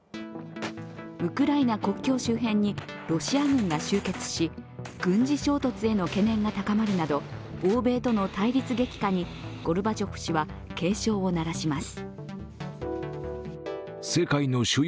ウクライナ国境周辺にロシア軍が集結し軍事衝突への懸念が高まるなど欧米との対立激化にゴルバチョフ氏は警鐘を鳴らします。